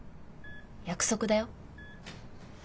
約束だよ。